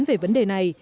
về vấn đề này